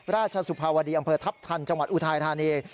สุภาวดีอำเภอทัพทันจังหวัดอุทัยธานี